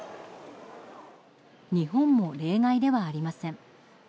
日本も例外ではありません。